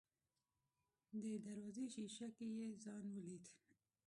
د دروازې ښيښه کې يې ځان وليد.